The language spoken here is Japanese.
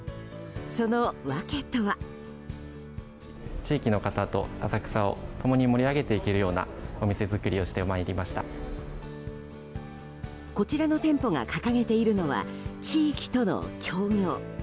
その訳とは。こちらの店舗が掲げているのは地域との協業。